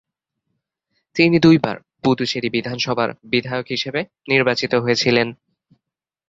তিনি দুইবার পুদুচেরি বিধানসভার বিধায়ক হিসেবে নির্বাচিত হয়েছিলেন।